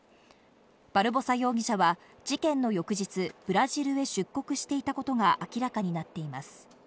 バルボサ容疑者は事件の翌日、ブラジルへ出国していたことが明らかになっています。